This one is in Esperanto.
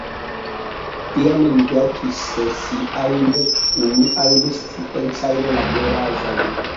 Tiam li verkis siajn unuajn sciencajn laboraĵojn.